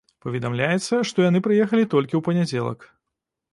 Паведамляецца, што яны прыехалі толькі ў панядзелак.